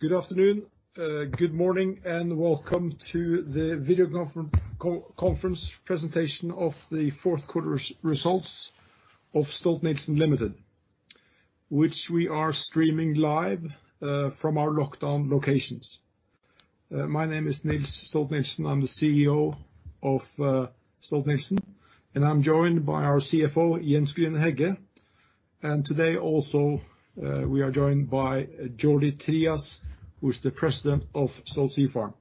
Good afternoon, good morning, and welcome to the video conference presentation of the fourth quarter's results of Stolt-Nielsen Limited, which we are streaming live from our lockdown locations. My name is Niels Stolt-Nielsen, I am the CEO of Stolt-Nielsen, I am joined by our CFO, Jens Grüner-Hegge. Today also we are joined by Jordi Trias, who is the President of Stolt Sea Farm.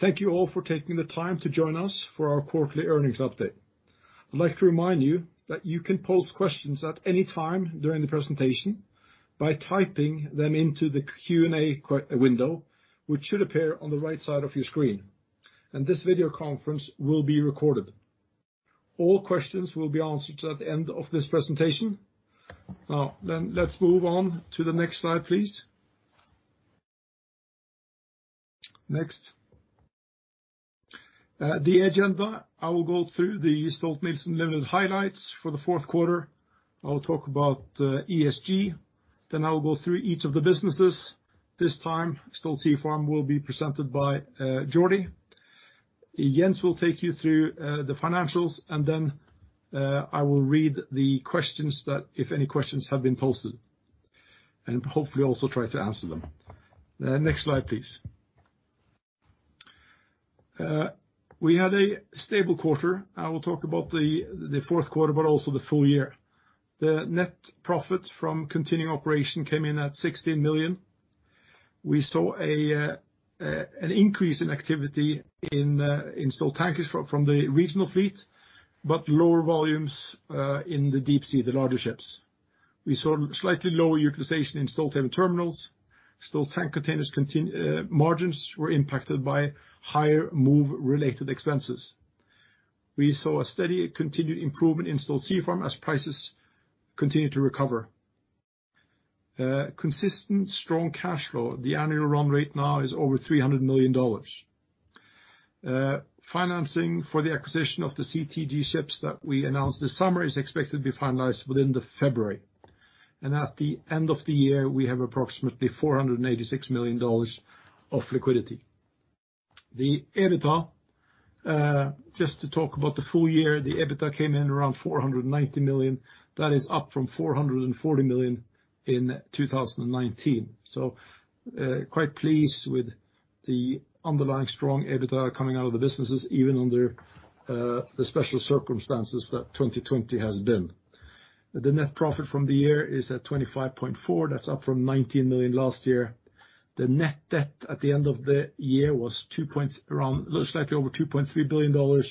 Thank you all for taking the time to join us for our quarterly earnings update. I would like to remind you that you can pose questions at any time during the presentation by typing them into the Q&A window, which should appear on the right side of your screen. This video conference will be recorded. All questions will be answered at the end of this presentation. Let's move on to the next slide, please. Next. The agenda, I will go through the Stolt-Nielsen Limited highlights for the fourth quarter. I will talk about ESG. I will go through each of the businesses. This time, Stolt Sea Farm will be presented by Jordi. Jens will take you through the financials, and then I will read the questions that, if any questions have been posted, and hopefully also try to answer them. Next slide, please. We had a stable quarter. I will talk about the fourth quarter, but also the full year. The net profit from continuing operation came in at $16 million. We saw an increase in activity in Stolt Tankers from the regional fleet, but lower volumes in the deep sea, the larger ships. We saw slightly lower utilization in Stolthaven Terminals. Stolt Tank Containers margins were impacted by higher move-related expenses. We saw a steady continued improvement in Stolt Sea Farm as prices continued to recover. Consistent strong cash flow. The annual run rate now is over $300 million. Financing for the acquisition of the CTG ships that we announced this summer is expected to be finalized within February. At the end of the year, we have approximately $486 million of liquidity. The EBITDA, just to talk about the full year, the EBITDA came in around $490 million. That is up from $440 million in 2019. Quite pleased with the underlying strong EBITDA coming out of the businesses, even under the special circumstances that 2020 has been. The net profit from the year is at $25.4 million. That is up from $19 million last year. The net debt at the end of the year was slightly over $2.3 billion,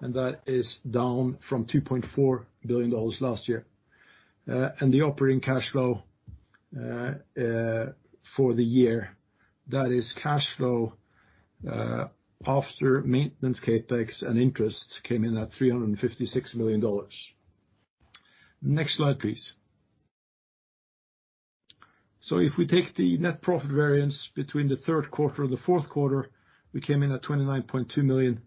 and that is down from $2.4 billion last year. The operating cash flow for the year, that is cash flow after maintenance CapEx and interest came in at $356 million. Next slide, please. If we take the net profit variance between the third quarter and the fourth quarter, we came in at $29.2 million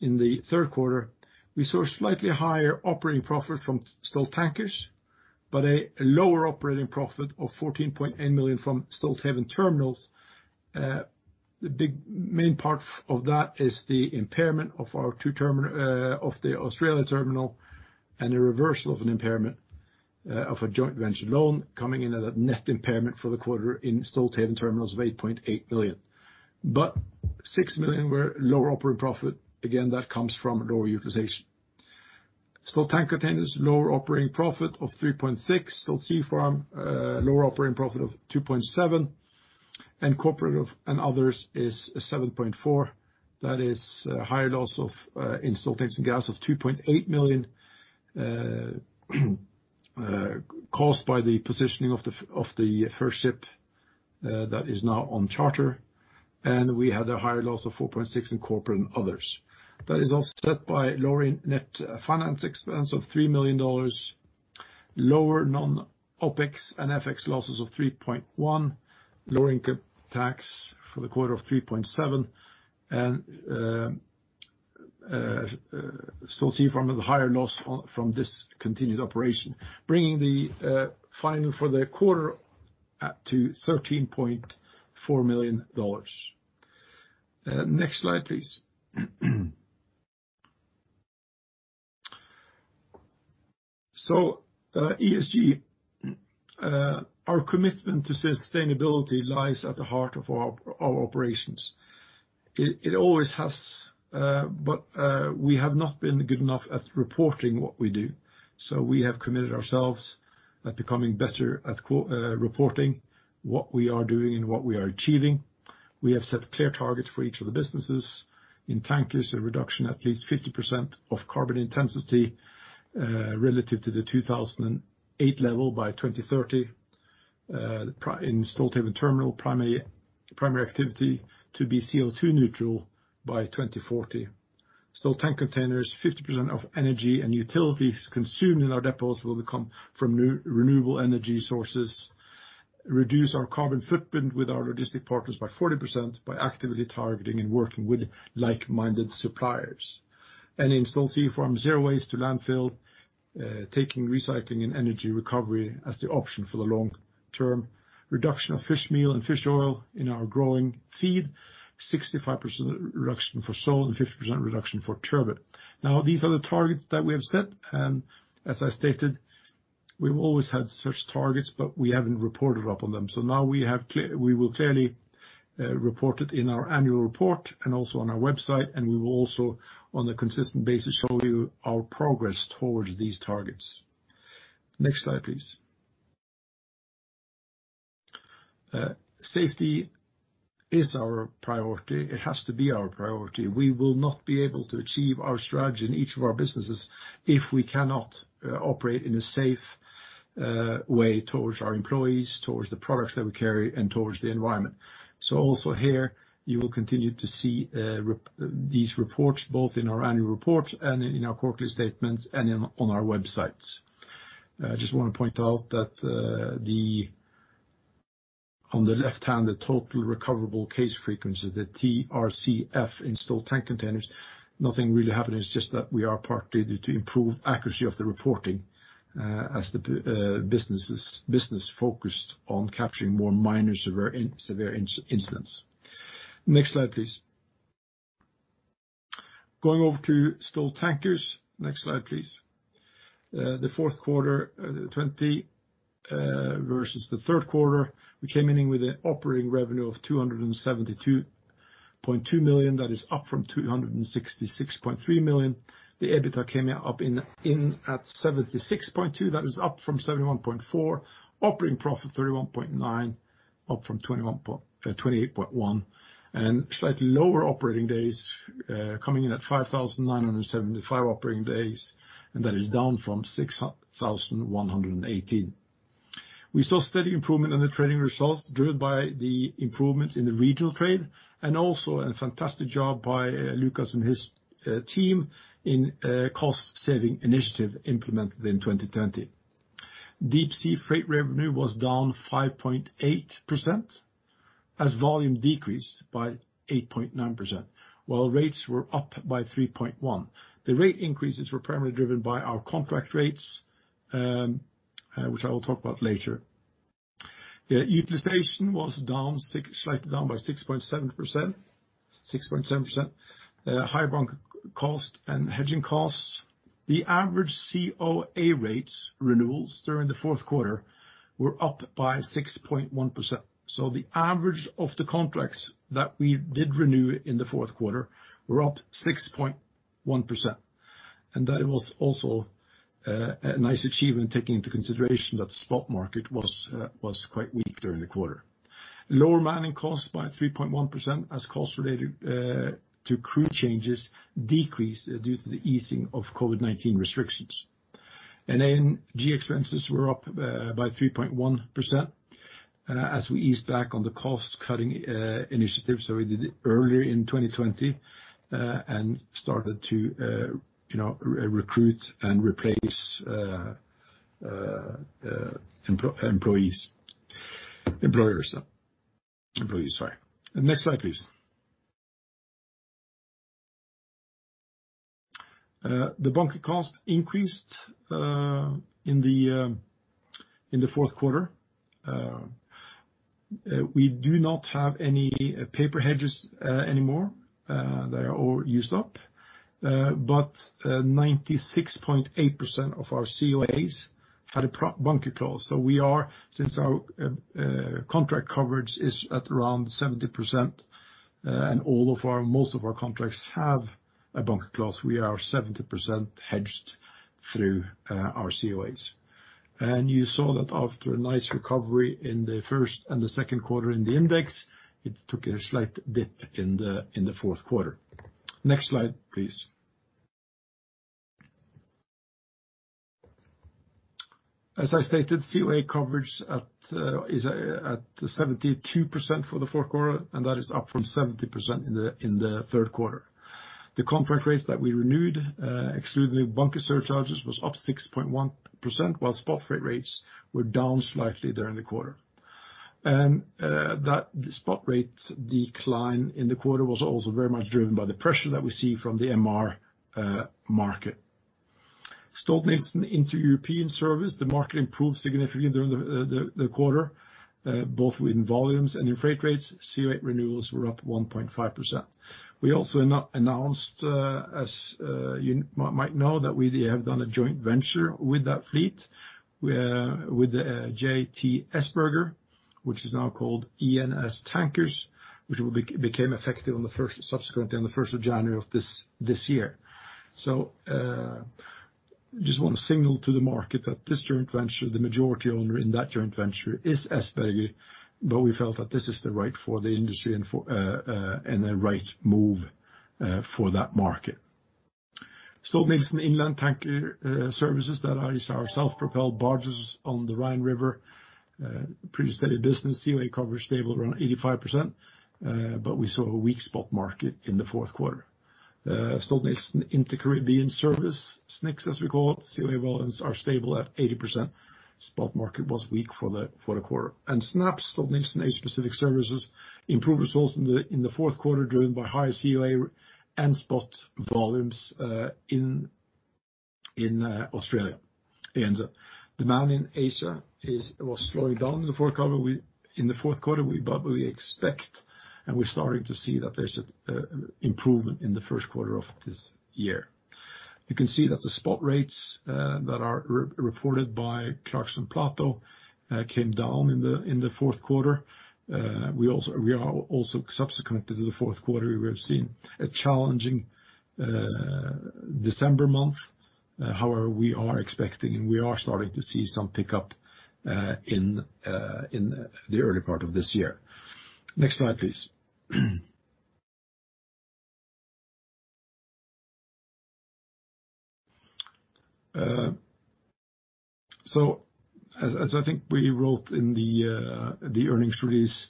in the third quarter. We saw a slightly higher operating profit from Stolt Tankers, but a lower operating profit of $14.8 million from Stolthaven Terminals. The main part of that is the impairment of the Australia terminal and the reversal of an impairment of a joint venture loan coming in at a net impairment for the quarter in Stolthaven Terminals of $8.8 million. $6 million were lower operating profit. Again, that comes from lower utilization. Stolt Tank Containers, lower operating profit of $3.6. Stolt Sea Farm, lower operating profit of $2.7. Corporate and others is $7.4. That is higher loss in Stolt-Nielsen Gas of $2.8 million, caused by the positioning of the first ship that is now on charter. We had a higher loss of $4.6 in corporate and others. That is offset by lower net finance expense of $3 million, lower non-OpEx and FX losses of $3.1, lower income tax for the quarter of $3.7, and Stolt Sea Farm, the higher loss from this continued operation, bringing the final for the quarter up to $13.4 million. Next slide, please. ESG. Our commitment to sustainability lies at the heart of our operations. It always has, but we have not been good enough at reporting what we do. We have committed ourselves at becoming better at reporting what we are doing and what we are achieving. We have set clear targets for each of the businesses. In Tankers, a reduction at least 50% of carbon intensity relative to the 2008 level by 2030. In Stolthaven Terminals, primary activity to be CO2 neutral by 2040. Stolt Tank Containers, 50% of energy and utilities consumed in our depots will come from renewable energy sources. Reduce our carbon footprint with our logistic partners by 40% by actively targeting and working with like-minded suppliers. In Stolt Sea Farm, zero waste to landfill, taking recycling and energy recovery as the option for the long term reduction of fish meal and fish oil in our growing feed, 65% reduction for sole and 50% reduction for turbot. Now, these are the targets that we have set, and as I stated, we've always had such targets, but we haven't reported up on them. Now we will clearly report it in our annual report and also on our website, and we will also, on a consistent basis, show you our progress towards these targets. Next slide, please. Safety is our priority. It has to be our priority. We will not be able to achieve our strategy in each of our businesses if we cannot operate in a safe way towards our employees, towards the products that we carry, and towards the environment. Also here, you will continue to see these reports both in our annual report and in our quarterly statements, and on our websites. I just want to point out that on the left-hand, the total recordable case frequency, the TRCF in Stolt Tank Containers, nothing really happened. It's just that we are part to improve accuracy of the reporting as the business focused on capturing more minor severe incidents. Next slide, please. Going over to Stolt Tankers. Next slide, please. The fourth quarter 2020 versus the third quarter, we came in with an operating revenue of $272.2 million. That is up from $266.3 million. The EBITDA came up in at $76.2 million, that is up from $71.4 million. Operating profit $31.9 million, up from $28.1 million. Slightly lower operating days, coming in at 5,975 operating days, that is down from 6,118. We saw steady improvement on the trading results driven by the improvements in the regional trade, and also a fantastic job by Lucas and his team in cost saving initiative implemented in 2020. Deep sea freight revenue was down 5.8%, as volume decreased by 8.9%, while rates were up by 3.1%. The rate increases were primarily driven by our contract rates, which I will talk about later. The utilization was slightly down by 6.7%. Higher bunker cost and hedging costs. The average COA rates renewals during the fourth quarter were up by 6.1%. The average of the contracts that we did renew in the fourth quarter were up 6.1%. That was also a nice achievement, taking into consideration that the spot market was quite weak during the quarter. Lower manning costs by 3.1%, as costs related to crew changes decreased due to the easing of COVID-19 restrictions. G&A expenses were up by 3.1% as we eased back on the cost-cutting initiatives that we did earlier in 2020 and started to recruit and replace employees. Employees, sorry. Next slide, please. The bunker cost increased in the fourth quarter. We do not have any paper hedges anymore. They are all used up. 96.8% of our COAs had a bunker clause. We are, since our contract coverage is at around 70% and most of our contracts have a bunker clause, we are 70% hedged through our COAs. You saw that after a nice recovery in the first and the second quarter in the index, it took a slight dip in the fourth quarter. Next slide, please. As I stated, COA coverage is at 72% for the fourth quarter, and that is up from 70% in the third quarter. The contract rates that we renewed, excluding bunker surcharges, was up 6.1%, while spot freight rates were down slightly during the quarter. The spot rate decline in the quarter was also very much driven by the pressure that we see from the MR market. Stolt-Nielsen Inter-European service, the market improved significantly during the quarter, both in volumes and in freight rates. COA renewals were up 1.5%. We also announced, as you might know, that we have done a joint venture with that fleet, with the J.T. Essberger, which is now called E&S Tankers, which became effective subsequently on the 1st of January of this year. Just want to signal to the market that this joint venture, the majority owner in that joint venture is Essberger, but we felt that this is the right for the industry and a right move for that market. Stolt-Nielsen Inland Tanker Service, that is our self-propelled barges on the Rhine River, pretty steady business. COA coverage stable around 85%, but we saw a weak spot market in the fourth quarter. Stolt-Nielsen Inter-Caribbean Service, SNICS as we call it, COA volumes are stable at 80%. Spot market was weak for the quarter. SNAPS, Stolt-Nielsen Asia Pacific Service, improved results in the fourth quarter, driven by higher COA and spot volumes in Australia. Demand in Asia was slowing down in the fourth quarter, we expect and we're starting to see that there's improvement in the first quarter of this year. You can see that the spot rates that are reported by Clarksons Platou came down in the fourth quarter. We are also subsequent to the fourth quarter, we have seen a challenging December month. We are expecting and we are starting to see some pickup in the early part of this year. Next slide, please. As I think we wrote in the earnings release,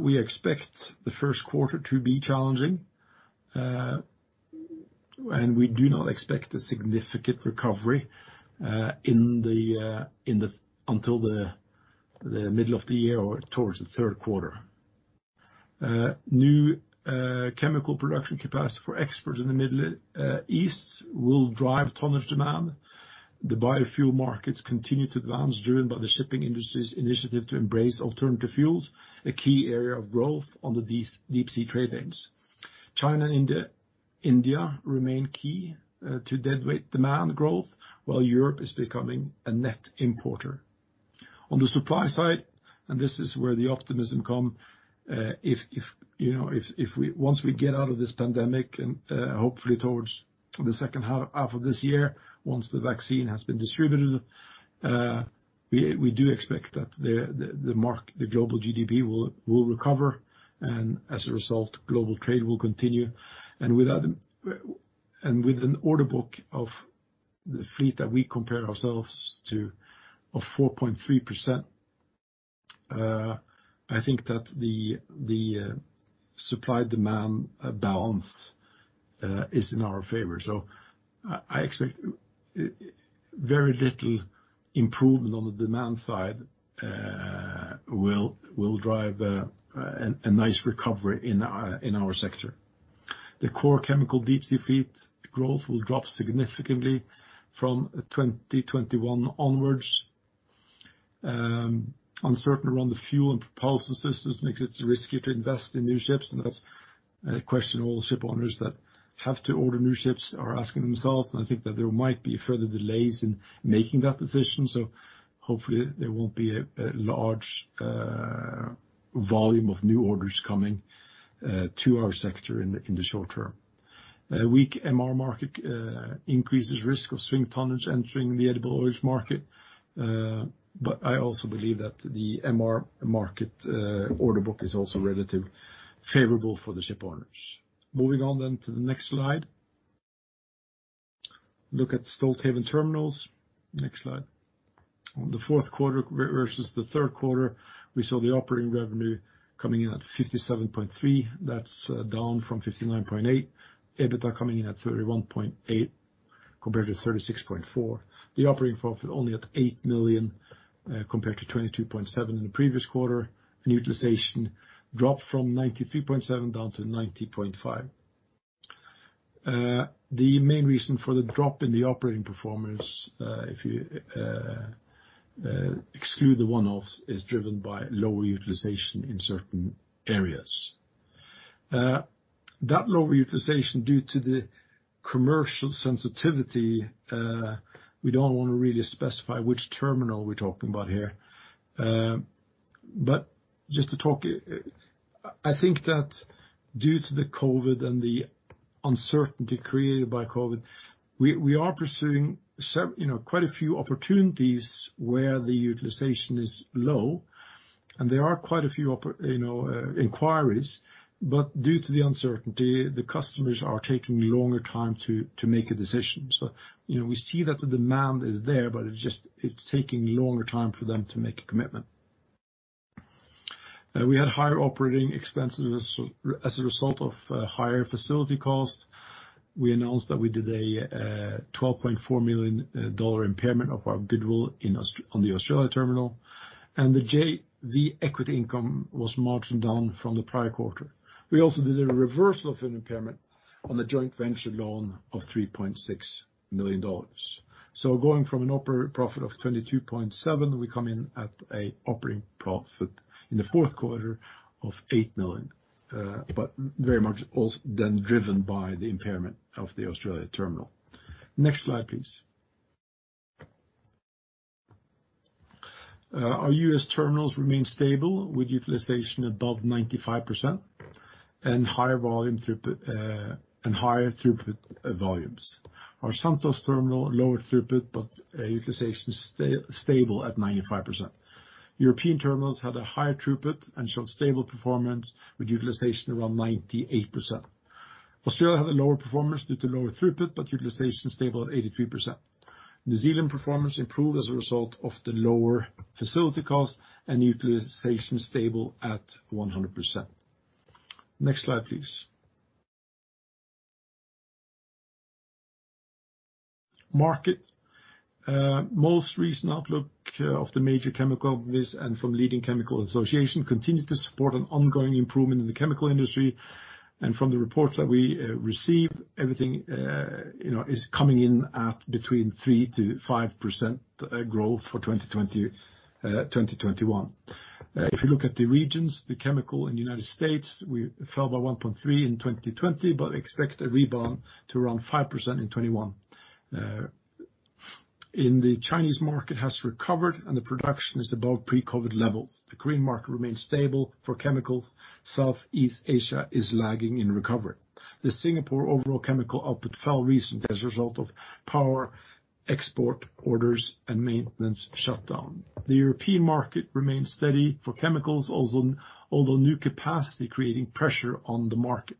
we expect the first quarter to be challenging, and we do not expect a significant recovery until the middle of the year or towards the third quarter. New chemical production capacity for exports in the Middle East will drive tonnage demand. The biofuel markets continue to advance, driven by the shipping industry's initiative to embrace alternative fuels, a key area of growth on the Deep Sea trade lanes. China and India remain key to deadweight demand growth, while Europe is becoming a net importer. On the supply side, this is where the optimism come, once we get out of this pandemic and hopefully towards the second half of this year, once the vaccine has been distributed, we do expect that the global GDP will recover, as a result, global trade will continue. With an order book of the fleet that we compare ourselves to of 4.3%, I think that the supply-demand balance is in our favor. I expect very little improvement on the demand side will drive a nice recovery in our sector. The core chemical deep sea fleet growth will drop significantly from 2021 onwards. Uncertainty around the fuel and propulsion systems makes it risky to invest in new ships, and that's a question all ship owners that have to order new ships are asking themselves, and I think that there might be further delays in making that decision. Hopefully there won't be a large volume of new orders coming to our sector in the short term. A weak MR market increases risk of swing tonnage entering the edible oils market. I also believe that the MR market order book is also relatively favorable for the ship owners. Moving on then to the next slide. Look at Stolthaven Terminals. Next slide. On the fourth quarter versus the third quarter, we saw the operating revenue coming in at $57.3. That's down from $59.8. EBITDA coming in at $31.8 compared to $36.4. The operating profit only at $8 million compared to $22.7 in the previous quarter. Utilization dropped from 93.7% down to 90.5%. The main reason for the drop in the operating performance, if you exclude the one-offs, is driven by lower utilization in certain areas. That lower utilization due to the commercial sensitivity, we don't want to really specify which terminal we're talking about here. Just to talk, I think that due to the COVID and the uncertainty created by COVID, we are pursuing quite a few opportunities where the utilization is low and there are quite a few inquiries, but due to the uncertainty, the customers are taking longer time to make a decision. We see that the demand is there, but it's taking longer time for them to make a commitment. We had higher operating expenses as a result of higher facility costs. We announced that we did a $12.4 million impairment of our goodwill on the Australia terminal, and the JV equity income was marginally down from the prior quarter. We also did a reversal of an impairment on the joint venture loan of $3.6 million. Going from an operating profit of $22.7 million, we come in at an operating profit in the fourth quarter of $8 million, very much driven by the impairment of the Australia terminal. Next slide, please. Our U.S. terminals remain stable, with utilization above 95% and higher throughput volumes. Our Santos terminal, lower throughput, utilization is stable at 95%. European terminals had a higher throughput and showed stable performance with utilization around 98%. Australia had a lower performance due to lower throughput, utilization stable at 83%. New Zealand performance improved as a result of the lower facility cost and utilization stable at 100%. Next slide, please. MarketMost recent outlook of the major chemical companies and from leading chemical association continue to support an ongoing improvement in the chemical industry. From the reports that we receive, everything is coming in at between 3% to 5% growth for 2021. If you look at the regions, the chemical in the United States, we fell by 1.3% in 2020, but expect a rebound to around 5% in 2021. The Chinese market has recovered, and the production is above pre-COVID-19 levels. The Korean market remains stable for chemicals. Southeast Asia is lagging in recovery. The Singapore overall chemical output fell recent as a result of lower export orders and maintenance shutdown. The European market remains steady for chemicals, although new capacity creating pressure on the market.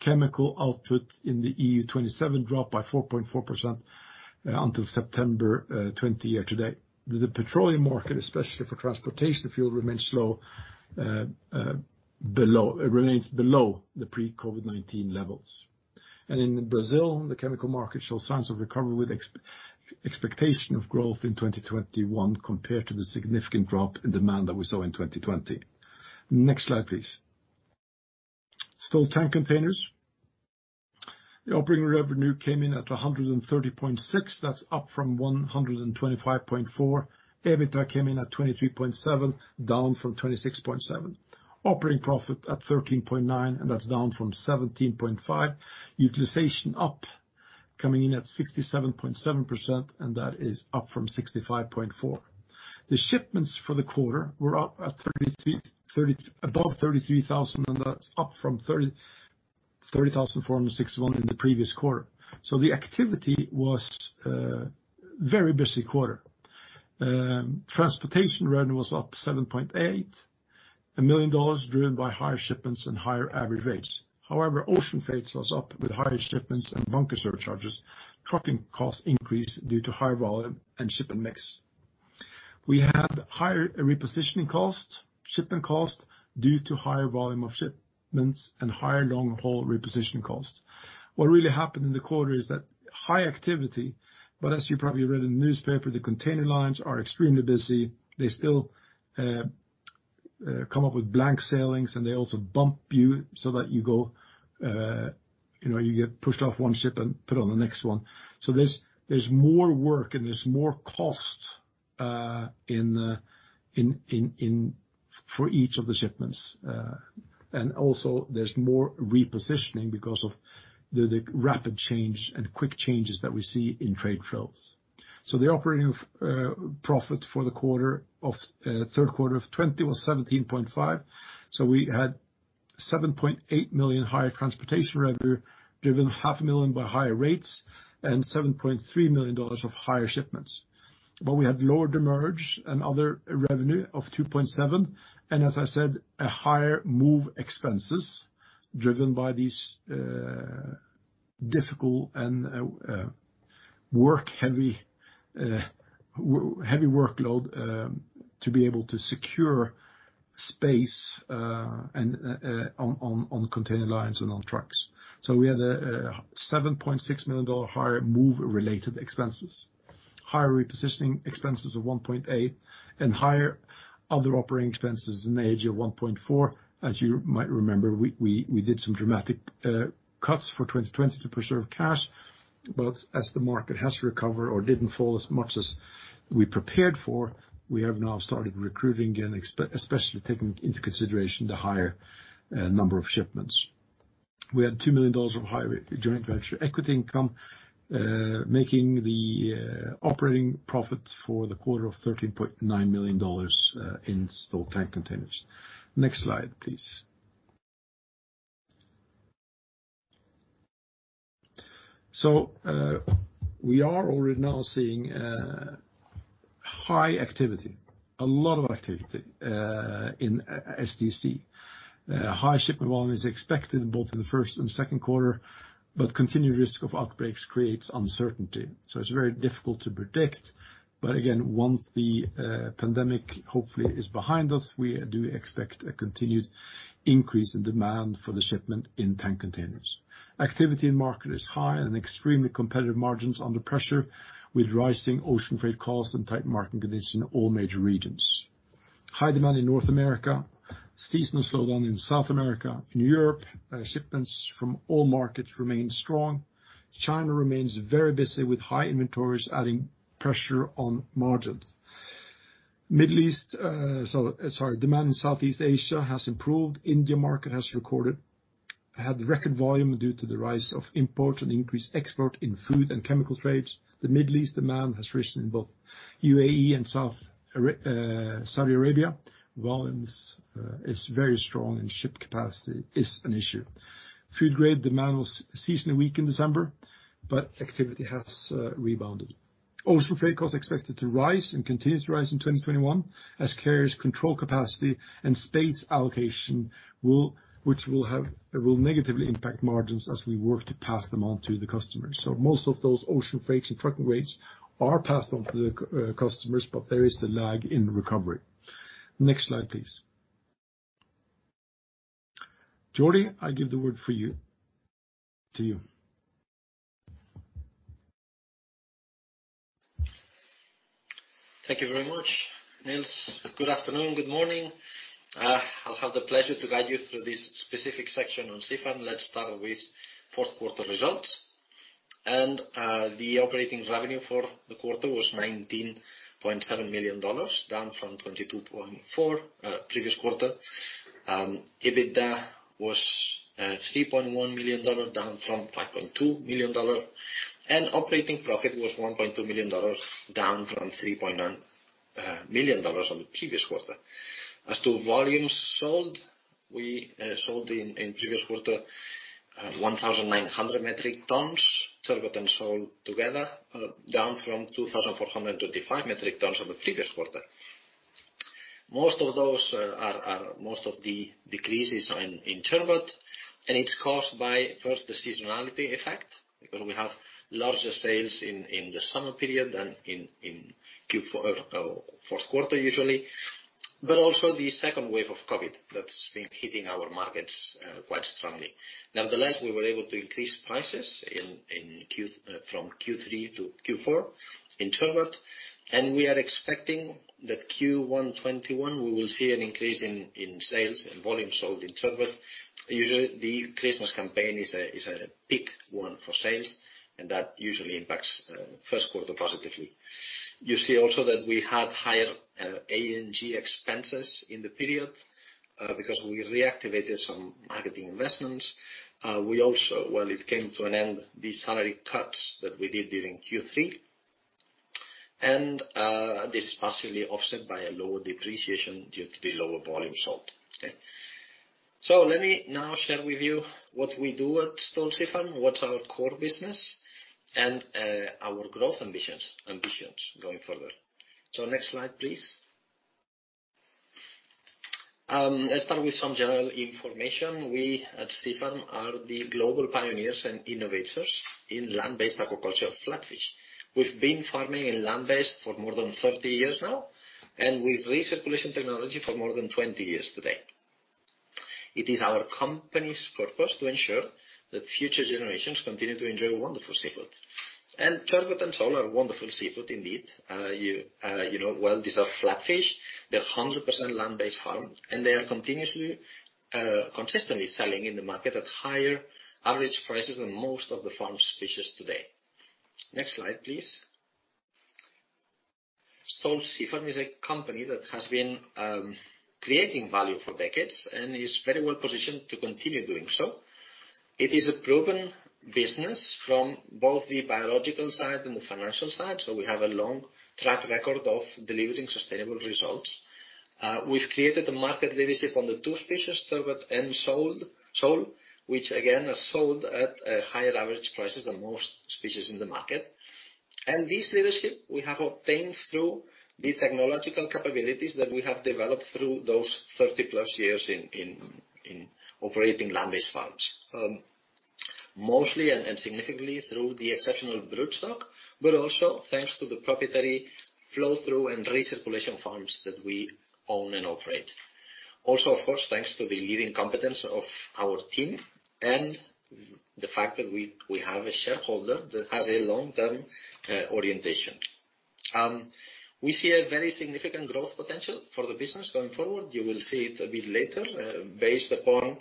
Chemical output in the EU 27 dropped by 4.4% until September 20, year to date. The petroleum market, especially for transportation fuel, remains below the pre-COVID-19 levels. In Brazil, the chemical market shows signs of recovery with expectation of growth in 2021 compared to the significant drop in demand that we saw in 2020. Next slide, please. Stolt Tank Containers. The operating revenue came in at $130.6. That's up from $125.4. EBITDA came in at $23.7, down from $26.7. Operating profit at $13.9, that's down from $17.5. Utilization up, coming in at 67.7%, that is up from 65.4%. The shipments for the quarter were up above 33,000, that's up from 30,461 in the previous quarter. The activity was very busy quarter. Transportation revenue was up $7.8 million, driven by higher shipments and higher average rates. Ocean freight was up with higher shipments and bunker surcharges. Trucking costs increased due to higher volume and shipment mix. We had higher repositioning cost, shipment cost, due to higher volume of shipments and higher long-haul repositioning costs. What really happened in the quarter is that high activity, but as you probably read in the newspaper, the container lines are extremely busy. They still come up with blank sailings, and they also bump you so that you get pushed off one ship and put on the next one. There's more work and there's more cost for each of the shipments. Also, there's more repositioning because of the rapid change and quick changes that we see in trade flows. The operating profit for the third quarter of 2020 was $17.5. We had $7.8 million higher transportation revenue, driven half a million by higher rates and $7.3 million of higher shipments. We had lower demurrage and other revenue of $2.7 million, and as I said, a higher move expenses driven by these difficult and heavy workload to be able to secure space on container lines and on trucks. We had $7.6 million higher move-related expenses, higher repositioning expenses of $1.8 million, and higher other operating expenses of $1.4 million. As you might remember, we did some dramatic cuts for 2020 to preserve cash. As the market has recovered or didn't fall as much as we prepared for, we have now started recruiting again, especially taking into consideration the higher number of shipments. We had $2 million of higher joint venture equity income, making the operating profit for the quarter of $13.9 million in Stolt Tank Containers. Next slide, please. We are already now seeing high activity, a lot of activity in STC. High shipment volume is expected both in the first and second quarter, but continued risk of outbreaks creates uncertainty. It's very difficult to predict. Again, once the pandemic hopefully is behind us, we do expect a continued increase in demand for the shipment in tank containers. Activity in market is high and extremely competitive margins under pressure with rising ocean freight costs and tight market conditions in all major regions. High demand in North America, seasonal slowdown in South America. In Europe, shipments from all markets remain strong. China remains very busy with high inventories adding pressure on margins. Demand in Southeast Asia has improved. India market had record volume due to the rise of imports and increased export in food and chemical trades. The Middle East demand has risen in both UAE and Saudi Arabia. Volumes is very strong and ship capacity is an issue. Food grade demand was seasonally weak in December, but activity has rebounded. Ocean freight cost expected to rise and continue to rise in 2021 as carriers control capacity and space allocation, which will negatively impact margins as we work to pass them on to the customers. Most of those ocean freights and trucking rates are passed on to the customers, but there is a lag in recovery. Next slide, please. Jordi, I give the word to you. Thank you very much, Niels. Good afternoon, good morning. I'll have the pleasure to guide you through this specific section on Stolt Sea Farm. Start with fourth quarter results. The operating revenue for the quarter was $19.7 million, down from $22.4 previous quarter. EBITDA was $3.1 million, down from $5.2 million. Operating profit was $1.2 million, down from $3.9 million on the previous quarter. As to volumes sold, we sold in previous quarter, 1,900 metric tons, turbot and sole together, down from 2,425 metric tons on the previous quarter. Most of the decreases are in turbot, and it's caused by, first, the seasonality effect, because we have larger sales in the summer period than in fourth quarter usually, but also the second wave of COVID that's been hitting our markets quite strongly. We were able to increase prices from Q3 to Q4 in turbot, and we are expecting that Q1 2021, we will see an increase in sales and volume sold in turbot. The Christmas campaign is a peak one for sales, and that usually impacts first quarter positively. You see also that we had higher G&A expenses in the period because we reactivated some marketing investments. We also, well, it came to an end, the salary cuts that we did during Q3, and this partially offset by a lower depreciation due to the lower volume sold. Let me now share with you what we do at Stolt Sea Farm, what's our core business, and our growth ambitions going forward. Next slide, please. Let's start with some general information. We at Stolt Sea Farm are the global pioneers and innovators in land-based aquaculture of flatfish. We've been farming in land-based for more than 30 years now, and with recirculation technology for more than 20 years today. It is our company's purpose to ensure that future generations continue to enjoy wonderful seafood. Turbot and sole are wonderful seafood indeed. While these are flatfish, they're 100% land-based farmed, and they are consistently selling in the market at higher average prices than most of the farmed species today. Next slide, please. Stolt Sea Farm is a company that has been creating value for decades and is very well positioned to continue doing so. It is a proven business from both the biological side and the financial side. We have a long track record of delivering sustainable results. We've created a market leadership on the two species, turbot and sole, which again, are sold at higher average prices than most species in the market. This leadership we have obtained through the technological capabilities that we have developed through those 30-plus years in operating land-based farms. Mostly and significantly through the exceptional broodstock, but also thanks to the proprietary flow-through and recirculation farms that we own and operate. Of course, thanks to the leading competence of our team and the fact that we have a shareholder that has a long-term orientation. We see a very significant growth potential for the business going forward. You will see it a bit later, based upon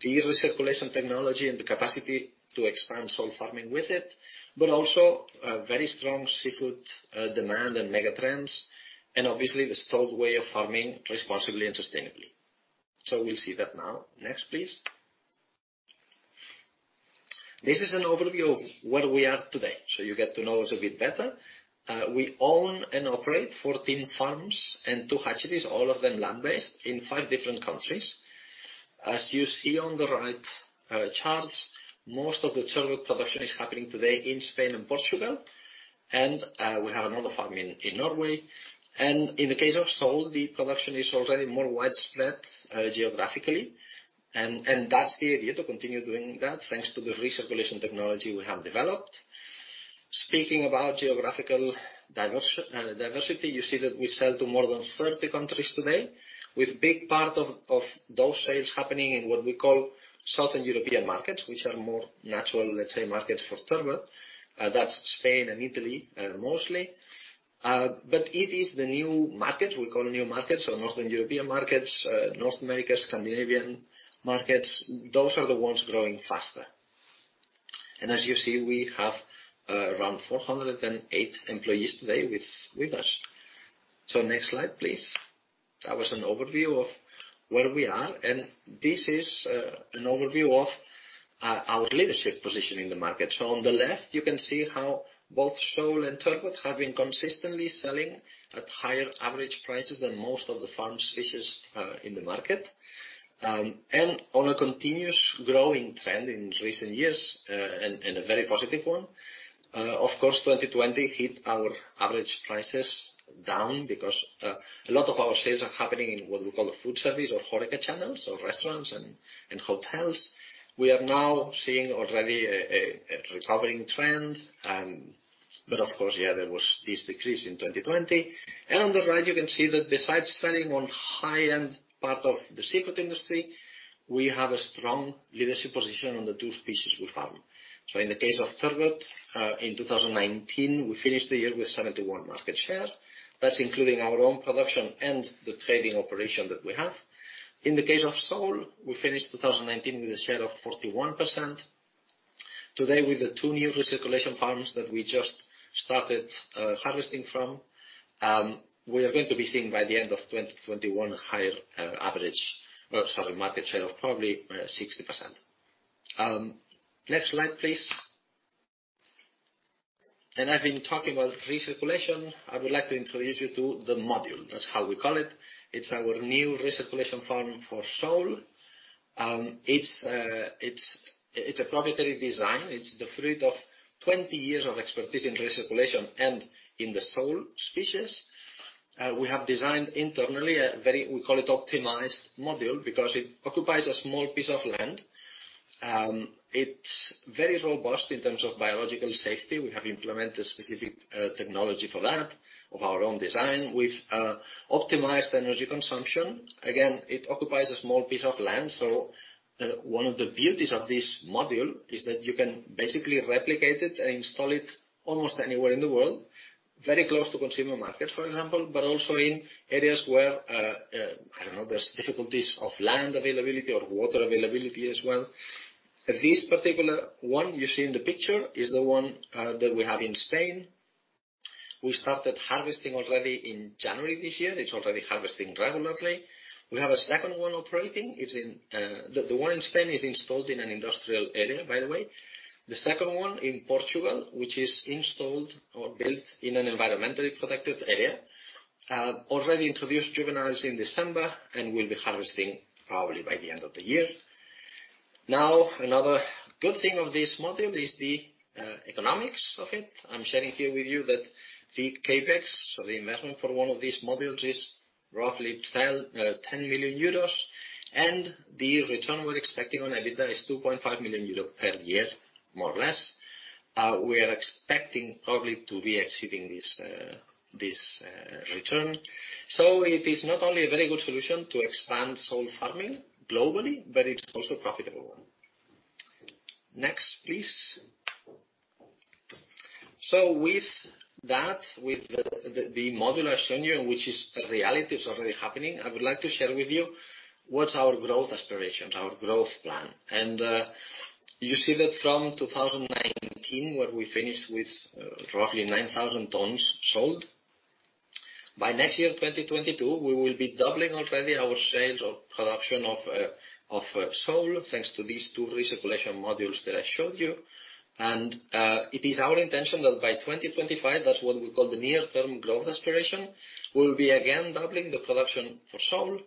the recirculation technology and the capacity to expand sole farming with it, but also a very strong seafood demand and megatrends, and obviously the Stolt way of farming responsibly and sustainably. We'll see that now. Next, please. This is an overview of where we are today, so you get to know us a bit better. We own and operate 14 farms and two hatcheries, all of them land-based, in five different countries. As you see on the right charts, most of the turbot production is happening today in Spain and Portugal, and we have another farm in Norway. In the case of sole, the production is already more widespread geographically, and that's the idea, to continue doing that, thanks to the recirculation technology we have developed. Speaking about geographical diversity, you see that we sell to more than 30 countries today, with big part of those sales happening in what we call Southern European markets, which are more natural, let's say, markets for turbot. That's Spain and Italy, mostly. It is the new markets, we call new markets, so Northern European markets, North America, Scandinavian markets, those are the ones growing faster. As you see, we have around 408 employees today with us. Next slide, please. That was an overview of where we are, and this is an overview of our leadership position in the market. On the left, you can see how both sole and turbot have been consistently selling at higher average prices than most of the farmed species in the market. On a continuous growing trend in recent years, and a very positive one. Of course, 2020 hit our average prices down because a lot of our sales are happening in what we call the food service or HoReCa channels, so restaurants and hotels. We are now seeing already a recovering trend. Of course, there was this decrease in 2020. On the right, you can see that besides selling on high-end part of the seafood industry, we have a strong leadership position on the two species we farm. In the case of turbot, in 2019, we finished the year with 71 market share. That's including our own production and the trading operation that we have. In the case of sole, we finished 2019 with a share of 41%. Today with the two new recirculation farms that we just started harvesting from, we are going to be seeing by the end of 2021, a higher market share of probably 60%. Next slide, please. I've been talking about recirculation. I would like to introduce you to the module. That's how we call it. It's our new recirculation farm for sole. It's a proprietary design. It's the fruit of 20 years of expertise in recirculation and in the sole species. We have designed internally, we call it optimized module, because it occupies a small piece of land. It's very robust in terms of biological safety. We have implemented specific technology for that of our own design with optimized energy consumption. Again, it occupies a small piece of land. One of the beauties of this module is that you can basically replicate it and install it almost anywhere in the world. Very close to consumer market, for example, but also in areas where, I don't know, there's difficulties of land availability or water availability as well. This particular one you see in the picture is the one that we have in Spain. We started harvesting already in January this year. It's already harvesting regularly. We have a second one operating. The one in Spain is installed in an industrial area, by the way. The second one in Portugal, which is installed or built in an environmentally protected area. Already introduced juveniles in December and will be harvesting probably by the end of the year. Another good thing of this module is the economics of it. I'm sharing here with you that the CapEx, so the investment for one of these modules is roughly 10 million euros. The return we're expecting on EBITDA is 2.5 million euros per year, more or less. We are expecting probably to be exceeding this return. It is not only a very good solution to expand sole farming globally, but it's also profitable one. Next, please. With that, with the module I've shown you, and which is a reality, it's already happening, I would like to share with you what's our growth aspirations, our growth plan. You see that from 2019, where we finished with roughly 9,000 tons sold. By next year, 2022, we will be doubling already our sales or production of sole, thanks to these two recirculation modules that I showed you. It is our intention that by 2025, that's what we call the near term growth aspiration, we'll be again doubling the production for sole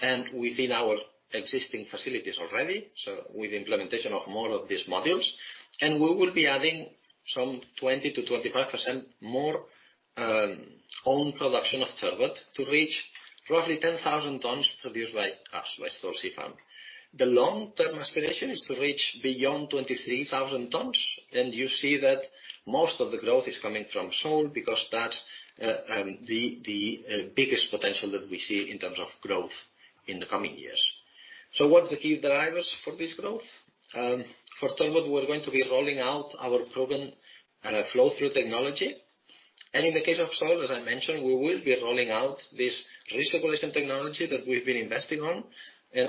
and within our existing facilities already. With implementation of more of these modules. We will be adding some 20%-25% more, own production of turbot to reach roughly 10,000 tons produced by us, by Stolt Sea Farm. The long-term aspiration is to reach beyond 23,000 tons. You see that most of the growth is coming from sole because that's the biggest potential that we see in terms of growth in the coming years. What's the key drivers for this growth? For turbot, we're going to be rolling out our proven flow-through technology. In the case of sole, as I mentioned, we will be rolling out this recirculation technology that we've been investing on.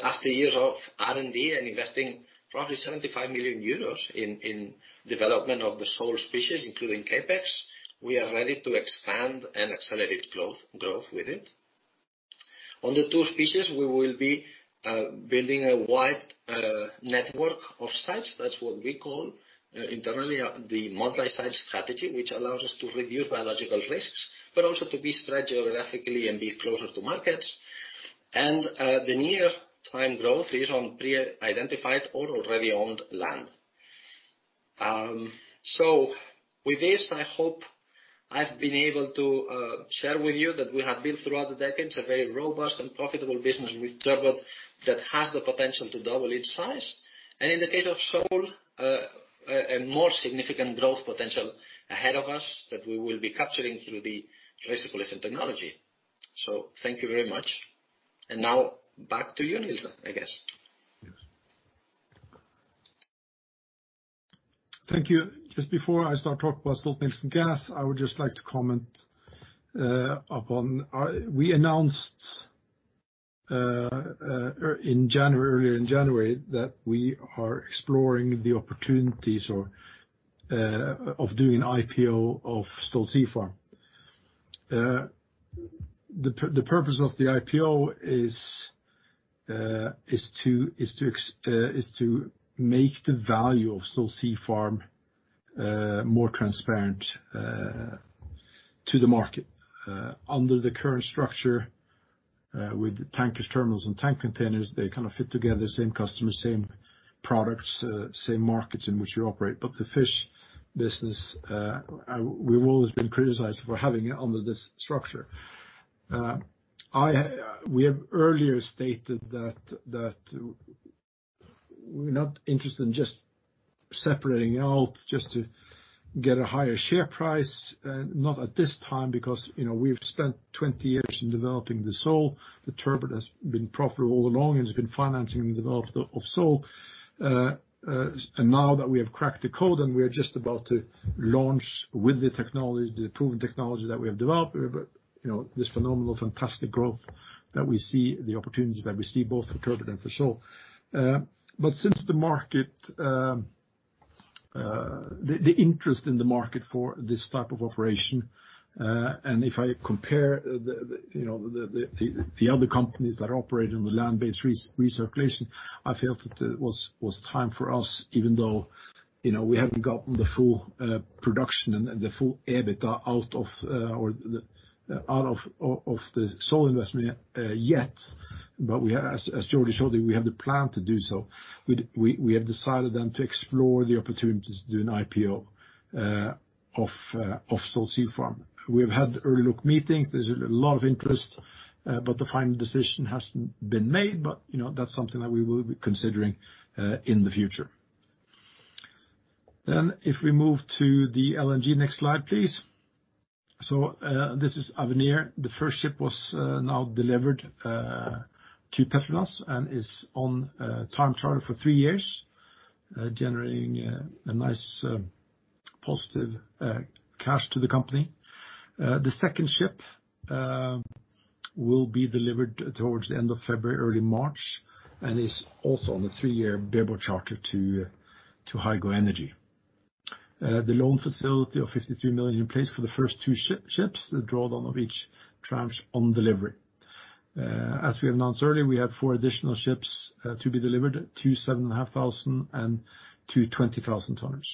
After years of R&D and investing roughly 75 million euros in development of the sole species, including CapEx, we are ready to expand and accelerate growth with it. On the two species, we will be building a wide network of sites. That's what we call internally, the multi-site strategy, which allows us to reduce biological risks, but also to be spread geographically and be closer to markets. The near time growth is on pre-identified or already owned land. With this, I hope I've been able to share with you that we have built throughout the decades a very robust and profitable business with turbot that has the potential to double in size. In the case of sole, a more significant growth potential ahead of us that we will be capturing through the recirculation technology. Thank you very much. Now back to you, Niels, I guess. Yes. Thank you. Just before I start talking about Stolt-Nielsen Gas, I would just like to comment, we announced earlier in January that we are exploring the opportunities of doing IPO of Stolt Sea Farm. The purpose of the IPO is to make the value of Stolt Sea Farm more transparent to the market. Under the current structure, with tankers, terminals, and tank containers, they kind of fit together, same customers, same products, same markets in which we operate. The fish business, we've always been criticized for having it under this structure. We have earlier stated we're not interested in just separating out just to get a higher share price. Not at this time, because we've spent 20 years in developing the sole. The turbot has been profitable all along and has been financing the development of sole. Now that we have cracked the code and we are just about to launch with the technology, the proven technology that we have developed, we have this phenomenal, fantastic growth that we see, the opportunities that we see both for turbot and for sole. Since the interest in the market for this type of operation, and if I compare the other companies that operate on the land-based recirculation, I felt it was time for us, even though we hadn't gotten the full production and the full EBITDA out of the sole investment yet. We have, as Jordi showed you, we have the plan to do so. We have decided to explore the opportunities to do an IPO of Stolt Sea Farm. We have had early look meetings. There's a lot of interest but the final decision hasn't been made. That's something that we will be considering in the future. If we move to the LNG, next slide, please. This is Avenir. The first ship was now delivered to PETRONAS and is on a time charter for three years generating a nice positive cash to the company. The second ship will be delivered towards the end of February, early March, and is also on a three-year bareboat charter to Hygo Energy. The loan facility of $53 million in place for the first two ships, the drawdown of each tranche on delivery. As we have announced earlier, we have four additional ships to be delivered, two 7,500 and two 20,000 tonners.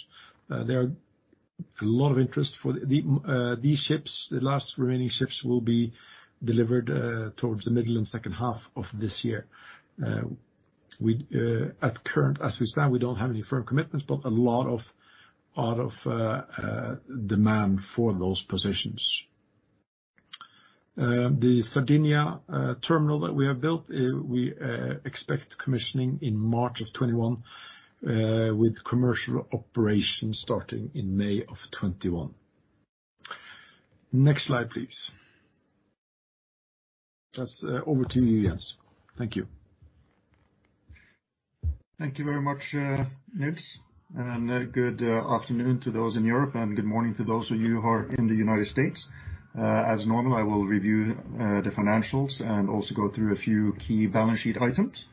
There are a lot of interest for these ships. The last remaining ships will be delivered towards the middle and second half of this year. As we stand, we don't have any firm commitments, but a lot of demand for those positions. The Sardinia terminal that we have built, we expect commissioning in March of 2021 with commercial operations starting in May of 2021. Next slide, please. That's over to you, Jens. Thank you. Thank you very much, Niels. Good afternoon to those in Europe and good morning to those of you who are in the U.S. As normal, I will review the financials and also go through a few key balance sheet items.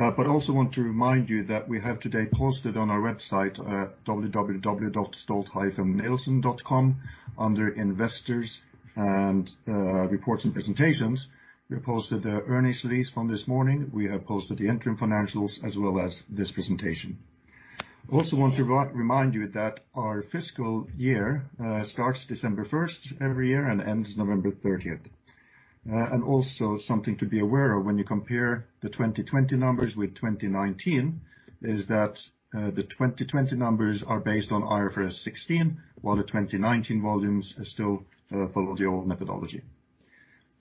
Also want to remind you that we have today posted on our website at stolt-nielsen.com under Investors and Reports and Presentations. We have posted the earnings release from this morning. We have posted the interim financials as well as this presentation. Also want to remind you that our fiscal year starts December 1st every year and ends November 30th. Also something to be aware of when you compare the 2020 numbers with 2019 is that the 2020 numbers are based on IFRS 16, while the 2019 volumes still follow the old methodology.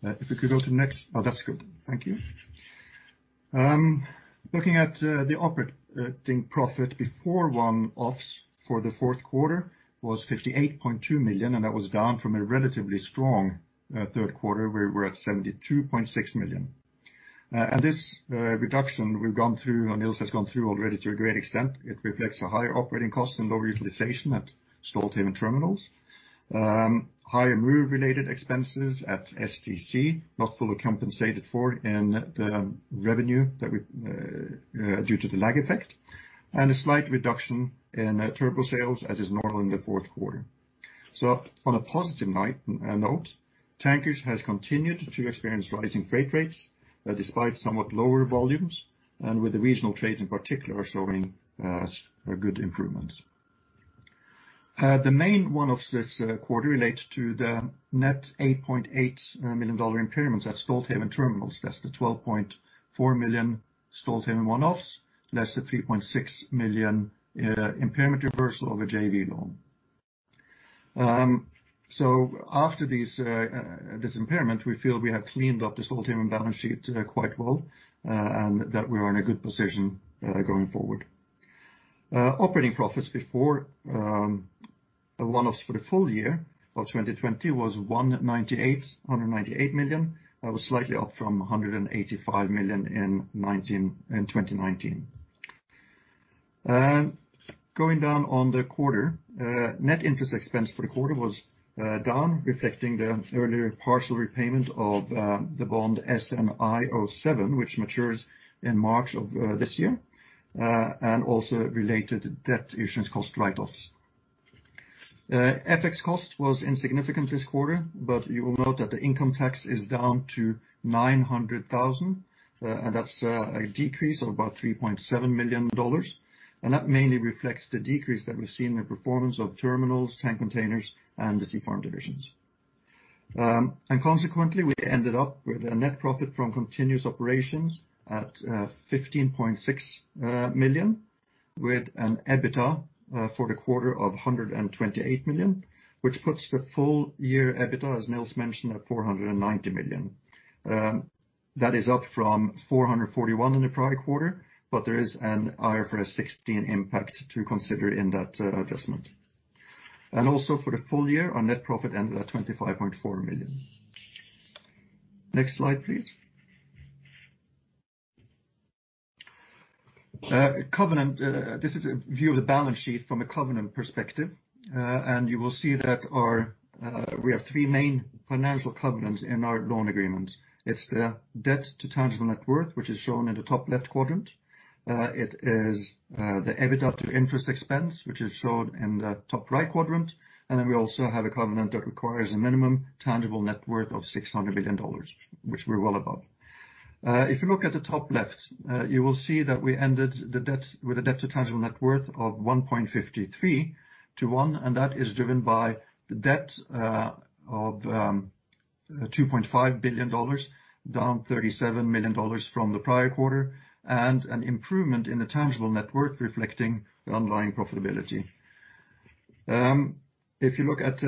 If we could go to the next. Oh, that's good. Thank you. Looking at the operating profit before one-offs for the fourth quarter was $58.2 million, and that was down from a relatively strong third quarter where we were at $72.6 million. This reduction we've gone through, and Niels has gone through already to a great extent, it reflects a higher operating cost and lower utilization at Stolthaven Terminals. Higher move-related expenses at STC, not fully compensated for in the revenue due to the lag effect, and a slight reduction in turbot sales as is normal in the fourth quarter. On a positive note, Tankers has continued to experience rising freight rates despite somewhat lower volumes and with the regional trades in particular showing a good improvement. The main one-offs this quarter relate to the net $8.8 million impairment at Stolthaven Terminals. That's the $12.4 million Stolthaven one-offs, less the $3.6 million impairment reversal of a JV loan. After this impairment, we feel we have cleaned up the Stolthaven balance sheet quite well, and that we are in a good position going forward. Operating profits before one-offs for the full year of 2020 was $198 million. That was slightly up from $185 million in 2019. Going down on the quarter, net interest expense for the quarter was down, reflecting the earlier partial repayment of the bond SNI07, which matures in March of this year and also related debt issuance cost write-offs. FX cost was insignificant this quarter, but you will note that the income tax is down to $900,000, and that's a decrease of about $3.7 million. That mainly reflects the decrease that we've seen in the performance of Terminals, Tank Containers and the Sea Farm divisions. Consequently, we ended up with a net profit from continuous operations at $15.6 million. With an EBITDA for the quarter of $128 million, which puts the full year EBITDA, as Niels mentioned, at $490 million. That is up from $441 million in the prior quarter, but there is an IFRS 16 impact to consider in that adjustment. Also for the full year, our net profit ended at $25.4 million. Next slide, please. Covenant. This is a view of the balance sheet from a covenant perspective. You will see that we have three main financial covenants in our loan agreement. It's the debt to tangible net worth, which is shown in the top left quadrant. It is the EBITDA to interest expense, which is shown in the top right quadrant. Then we also have a covenant that requires a minimum tangible net worth of $600 million, which we're well above. If you look at the top left, you will see that we ended with a debt to tangible net worth of 1.53 to one, and that is driven by the debt of $2.5 billion, down $37 million from the prior quarter, and an improvement in the tangible net worth reflecting the underlying profitability. If you look at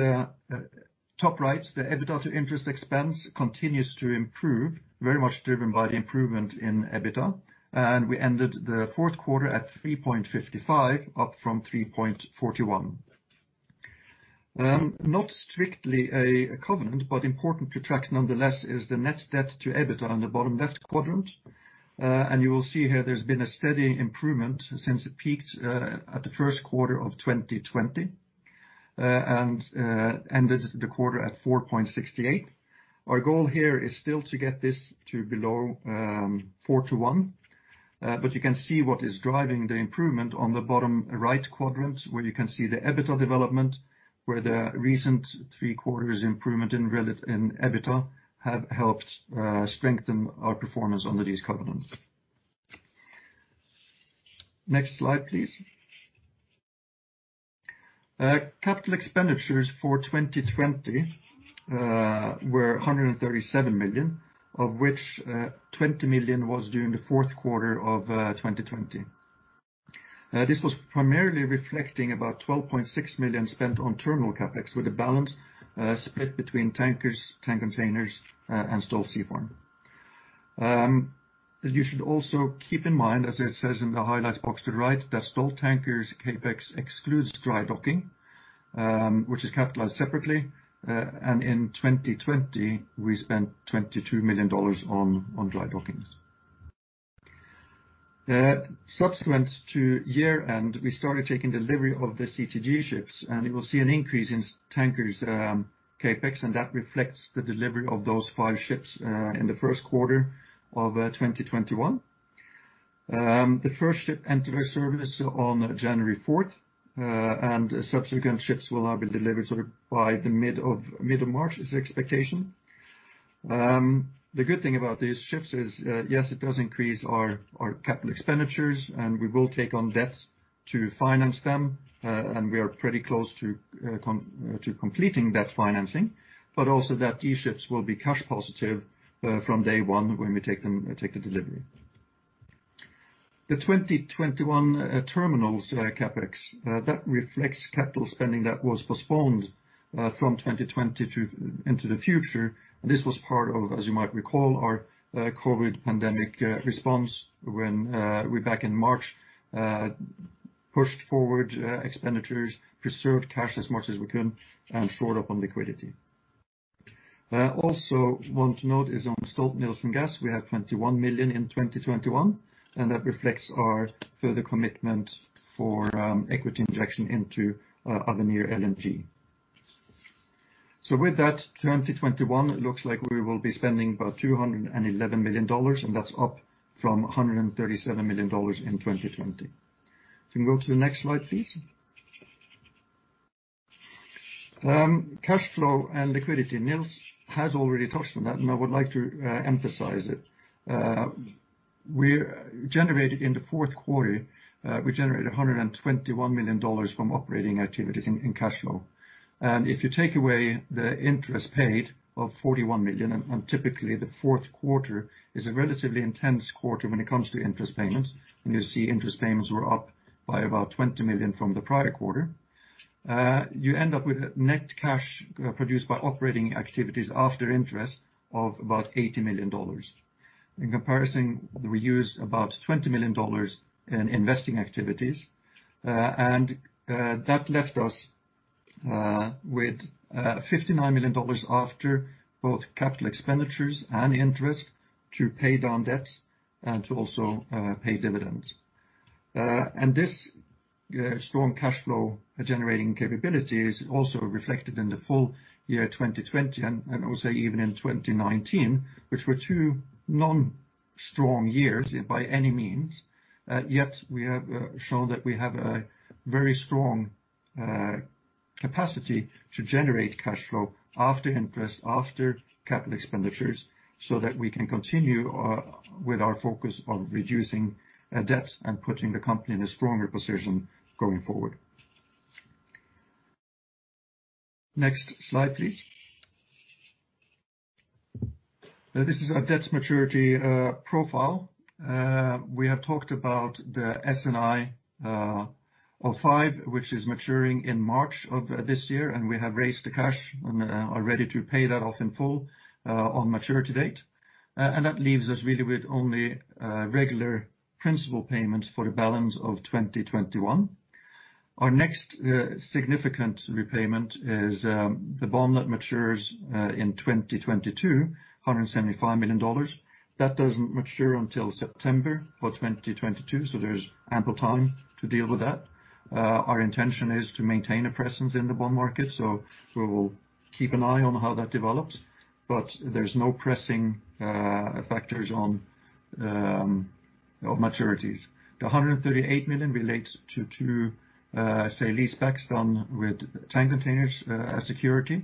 the top right, the EBITDA to interest expense continues to improve, very much driven by the improvement in EBITDA, and we ended the fourth quarter at 3.55, up from 3.41. Not strictly a covenant, but important to track nonetheless is the net debt to EBITDA on the bottom left quadrant. You will see here there's been a steady improvement since it peaked at the first quarter of 2020, and ended the quarter at 4.68. Our goal here is still to get this to below 4 to 1. You can see what is driving the improvement on the bottom right quadrant, where you can see the EBITDA development, where the recent three quarters improvement in EBITDA have helped strengthen our performance under these covenants. Next slide, please. Capital expenditures for 2020 were $137 million, of which $20 million was during the fourth quarter of 2020. This was primarily reflecting about $12.6 million spent on terminal CapEx, with the balance split between tankers, tank containers and Stolt Sea Farm. You should also keep in mind, as it says in the highlights box to the right, that Stolt Tankers CapEx excludes dry docking, which is capitalized separately. In 2020, we spent $22 million on dry dockings. Subsequent to year end, we started taking delivery of the CTG ships, and you will see an increase in Tankers CapEx, and that reflects the delivery of those five ships in the first quarter of 2021. The first ship entered our service on January 4th, and subsequent ships will now be delivered sort of by the middle of March is the expectation. The good thing about these ships is, yes, it does increase our capital expenditures and we will take on debts to finance them. We are pretty close to completing that financing, but also that these ships will be cash positive from day one when we take the delivery. The 2021 Terminals CapEx, that reflects capital spending that was postponed from 2020 into the future. This was part of, as you might recall, our COVID pandemic response when we, back in March pushed forward expenditures, preserved cash as much as we could and shored up on liquidity. Also want to note is on Stolt-Nielsen Gas, we have $21 million in 2021. That reflects our further commitment for equity injection into Avenir LNG. With that, 2021 looks like we will be spending about $211 million. That's up from $137 million in 2020. If we can go to the next slide, please. Cash flow and liquidity. Niels has already touched on that. I would like to emphasize it. In the fourth quarter, we generated $121 million from operating activities in cash flow. If you take away the interest paid of $41 million, typically the fourth quarter is a relatively intense quarter when it comes to interest payments, you see interest payments were up by about $20 million from the prior quarter. You end up with net cash produced by operating activities after interest of about $80 million. In comparison, we used about $20 million in investing activities, that left us with $59 million after both capital expenditures and interest to pay down debt and to also pay dividends. This strong cash flow generating capability is also reflected in the full year 2020 and also even in 2019, which were two non-strong years by any means. We have shown that we have a very strong capacity to generate cash flow after interest, after capital expenditures, so that we can continue with our focus on reducing debt and putting the company in a stronger position going forward. Next slide, please. This is our debt maturity profile. We have talked about the SNI05, which is maturing in March of this year. We have raised the cash and are ready to pay that off in full on maturity date. That leaves us really with only regular principal payments for the balance of 2021. Our next significant repayment is the bond that matures in 2022, $175 million. That doesn't mature until September for 2022. There's ample time to deal with that. Our intention is to maintain a presence in the bond market. We will keep an eye on how that develops. There's no pressing factors on maturities. The $138 million relates to two sale-leasebacks done with tank containers security,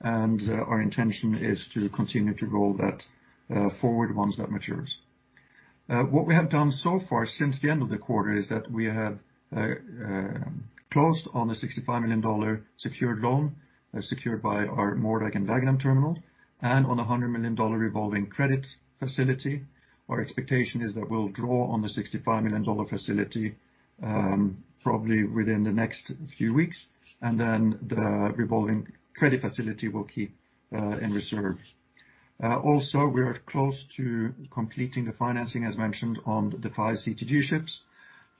and our intention is to continue to roll that forward once that matures. What we have done so far since the end of the quarter is that we have closed on a $65 million secured loan, secured by our Moerdijk and Dagenham terminal and on a $100 million revolving credit facility. Our expectation is that we'll draw on the $65 million facility, probably within the next few weeks, and then the revolving credit facility will keep in reserve. Also, we are close to completing the financing, as mentioned on the five CTG ships,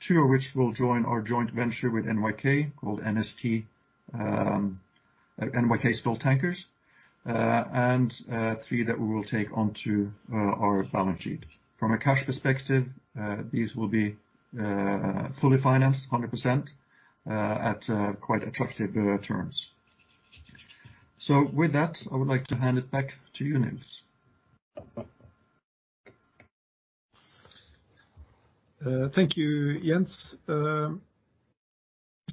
two of which will join our joint venture with NYK, called NST, NYK Stolt Tankers. Three that we will take onto our balance sheet. From a cash perspective, these will be fully financed 100% at quite attractive terms. With that, I would like to hand it back to you, Niels. Thank you, Jens.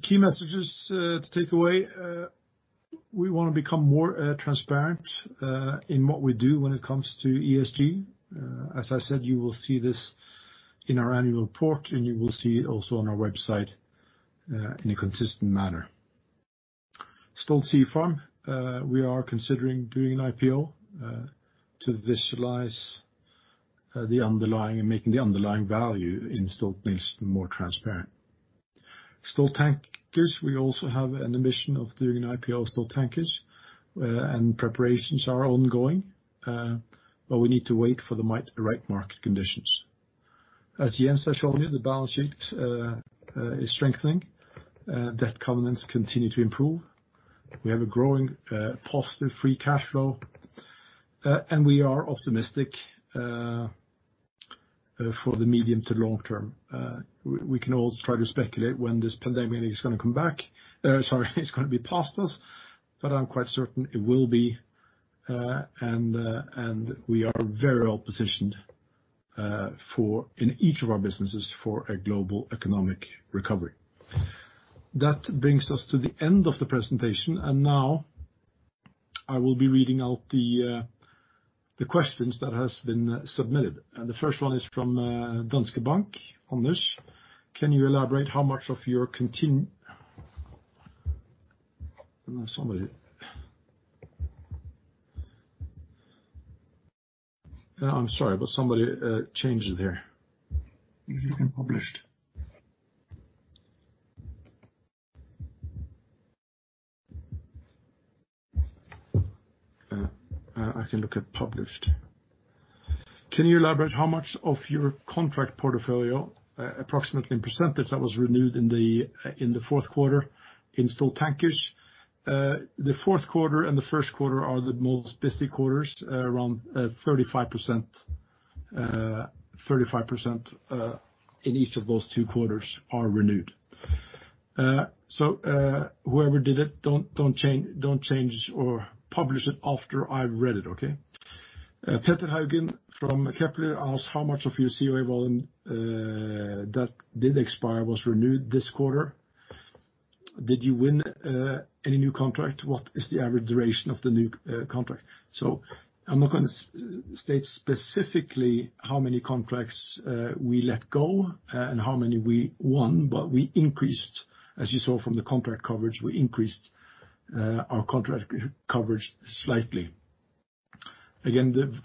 Key messages to take away. We want to become more transparent in what we do when it comes to ESG. As I said, you will see this in our annual report, and you will see it also on our website in a consistent manner. Stolt Sea Farm, we are considering doing an IPO to visualize the underlying and making the underlying value in Stolt-Nielsen more transparent. Stolt Tankers, we also have an ambition of doing an IPO of Stolt Tankers, and preparations are ongoing. We need to wait for the right market conditions. As Jens has shown you, the balance sheet is strengthening, debt covenants continue to improve. We have a growing positive free cash flow. We are optimistic for the medium to long term. We can always try to speculate when this pandemic is going to come back. Sorry, it's going to be past us, but I'm quite certain it will be. We are very well positioned in each of our businesses for a global economic recovery. That brings us to the end of the presentation. Now I will be reading out the questions that has been submitted. The first one is from Danske Bank. Anders, can you elaborate how much of your? Somebody. I'm sorry, but somebody changed it there. You can look in published. I can look at published. Can you elaborate how much of your contract portfolio, approximately in %, that was renewed in the fourth quarter in Stolt Tankers? The fourth quarter and the first quarter are the most busy quarters, around 35% in each of those two quarters are renewed. Whoever did it, don't change it or publish it after I've read it, okay? Petter Haugen from Kepler asked how much of your COA volume that did expire was renewed this quarter. Did you win any new contract? What is the average duration of the new contract? I'm not going to state specifically how many contracts we let go and how many we won, but we increased, as you saw from the contract coverage, we increased our contract coverage slightly. Again,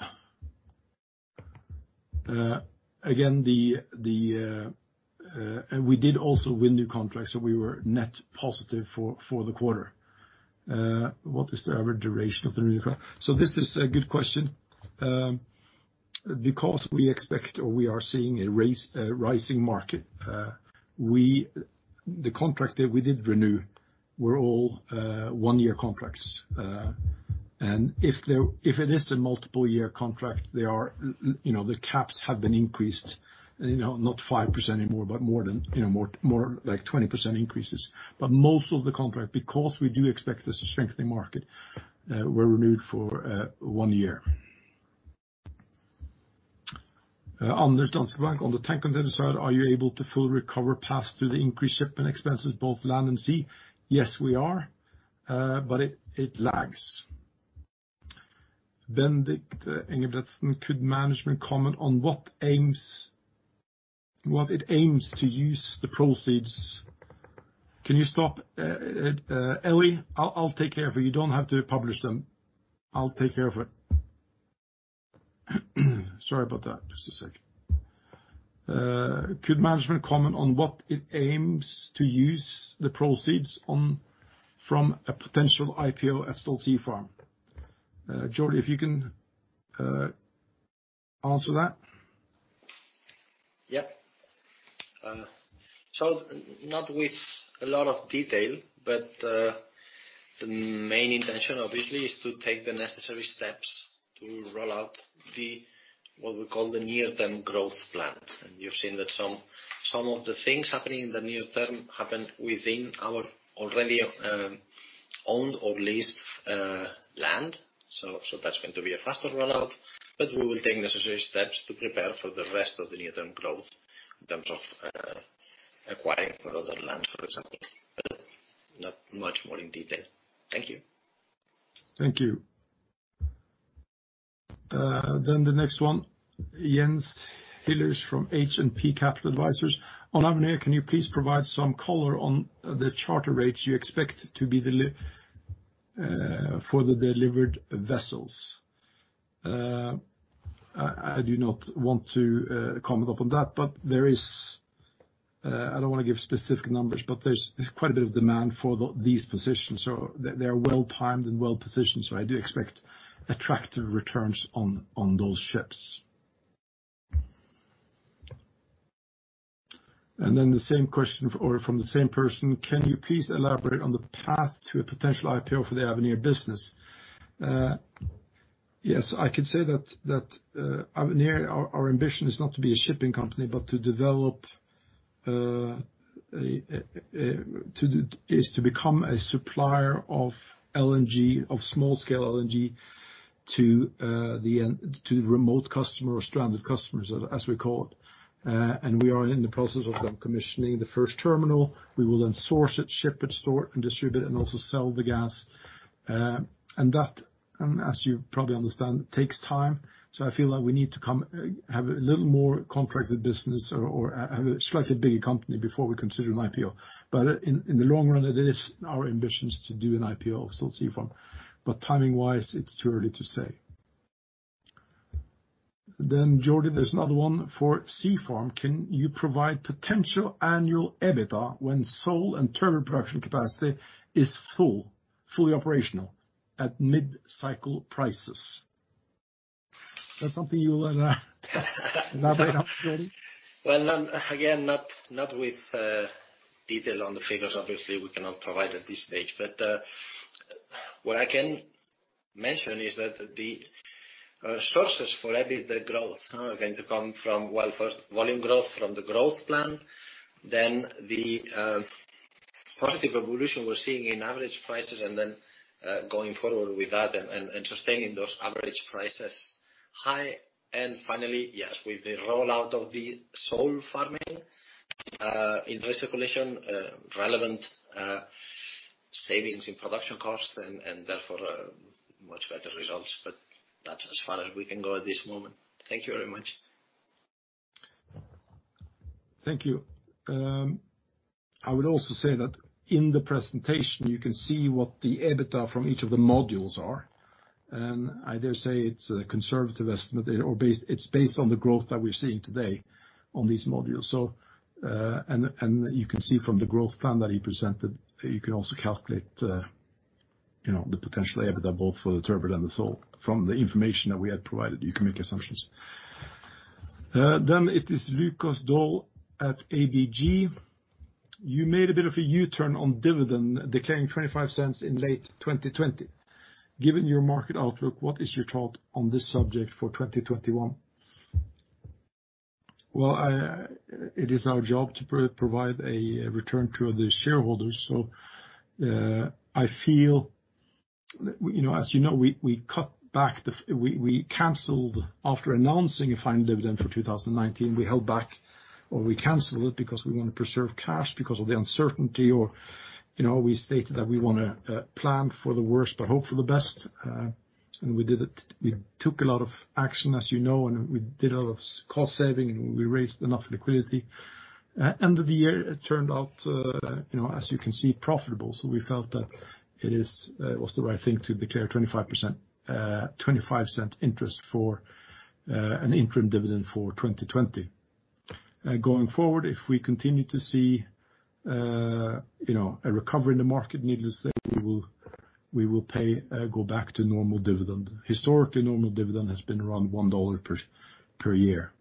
we did also win new contracts. We were net positive for the quarter. What is the average duration of the new contract? This is a good question. Because we expect or we are seeing a rising market, the contract that we did renew were all one-year contracts. If it is a multiple year contract, the caps have been increased, not 5% anymore, but more like 20% increases. Most of the contract, because we do expect there's a strengthening market, were renewed for one year. Anders, Danske Bank, on the tank container side, are you able to full recover pass through the increased shipment expenses, both land and sea? Yes, we are. It lags. Bendik Engebretsen, could management comment on what it aims to use the proceeds. Can you stop, Ellie? I'll take care of it. You don't have to publish them. I'll take care of it. Sorry about that. Just a second. Could management comment on what it aims to use the proceeds from a potential IPO at Stolt Sea Farm? Jordi, if you can answer that. Yeah. Not with a lot of detail, but the main intention obviously is to take the necessary steps to roll out the, what we call the near-term growth plan. You've seen that some of the things happening in the near term happened within our already owned or leased land. That's going to be a faster rollout, but we will take necessary steps to prepare for the rest of the near-term growth in terms of acquiring further land, for example. Not much more in detail. Thank you. Thank you. The next one, Jens Hillers from H&P Capital Advisors. On Avenir, can you please provide some color on the charter rates you expect for the delivered vessels? I do not want to comment upon that. I don't want to give specific numbers, but there's quite a bit of demand for these positions, so they're well-timed and well-positioned. I do expect attractive returns on those ships. The same question from the same person. Can you please elaborate on the path to a potential IPO for the Avenir business? Yes. I could say that Avenir, our ambition is not to be a shipping company but is to become a supplier of small-scale LNG to remote customer or stranded customers, as we call it. We are in the process of decommissioning the first terminal. We will then source it, ship it, store it, and distribute it, and also sell the gas. That, as you probably understand, takes time. I feel like we need to have a little more contracted business or have a slightly bigger company before we consider an IPO. In the long run, it is our ambition to do an IPO of Stolt Sea Farm. Timing-wise, it's too early to say. Jordi, there's another one for Sea Farm. Can you provide potential annual EBITDA when sole and turbot production capacity is fully operational at mid-cycle prices? That's something you'll elaborate on, Jordi? Well, again, not with detail on the figures, obviously, we cannot provide at this stage. What I can mention is that the sources for EBITDA growth are going to come from, well, first volume growth from the growth plan. The positive evolution we're seeing in average prices, and then going forward with that and sustaining those average prices high. Finally, yes, with the rollout of the sole farming in recirculation, relevant savings in production costs and therefore much better results. That's as far as we can go at this moment. Thank you very much. Thank you. I would also say that in the presentation, you can see what the EBITDA from each of the modules are. I dare say it's a conservative estimate. It's based on the growth that we're seeing today on these modules. You can see from the growth plan that he presented, you can also calculate the potential EBITDA both for the turbot and the sole. From the information that we had provided, you can make assumptions. It is Lukas Daul at ABG. You made a bit of a U-turn on dividend, declaring $0.25 in late 2020. Given your market outlook, what is your thought on this subject for 2021? Well, it is our job to provide a return to the shareholders. I feel, as you know, we canceled after announcing a fine dividend for 2019. We held back or we canceled it because we want to preserve cash because of the uncertainty or we stated that we want to plan for the worst but hope for the best. We did it. We took a lot of action as you know, and we did a lot of cost saving and we raised enough liquidity. End of the year, it turned out, as you can see, profitable. We felt that it was the right thing to declare $0.25 interest for an interim dividend for 2020. Going forward, if we continue to see a recovery in the market, needless to say, we will go back to normal dividend. Historically, normal dividend has been around $1 per year.